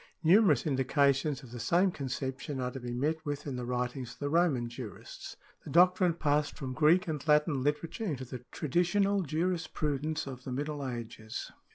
Numerous indications of the same conception are to be met with in the writings of the Roman jurists.^ The doctrine passed from Greek and Latin literature into tlie traditional jurisprudence of the Middle Ages.